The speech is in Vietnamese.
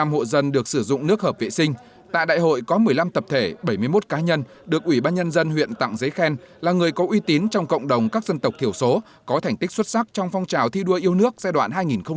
một mươi hộ dân được sử dụng nước hợp vệ sinh tại đại hội có một mươi năm tập thể bảy mươi một cá nhân được ủy ban nhân dân huyện tặng giấy khen là người có uy tín trong cộng đồng các dân tộc thiểu số có thành tích xuất sắc trong phong trào thi đua yêu nước giai đoạn hai nghìn một mươi sáu hai nghìn hai mươi